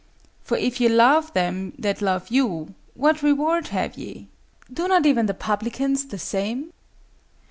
"For if ye love them that love you, what reward have ye? Do not even the publicans the same?"